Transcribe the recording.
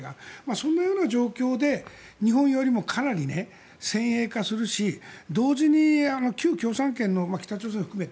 そのような状況で日本よりもかなり先鋭化するし同時に旧共産圏の北朝鮮も含めて